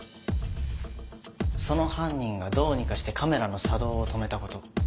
その犯人がどうにかしてカメラの作動を止めたこと。